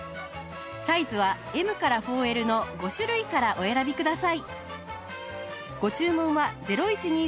サイズは Ｍ から ４Ｌ の５種類からお選びください